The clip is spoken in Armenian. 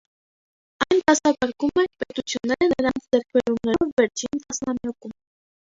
Այն դասակարգում է պետությունները նրանց ձեռքբերումներով վերջին տասնամյակում։